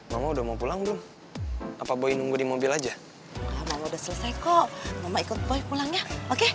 mama udah mau pulang belum apa boy nunggu di mobil aja udah selesai kok ikut pulang ya oke